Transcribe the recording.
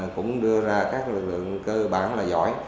cũng đưa ra các lực lượng cơ bản là giỏi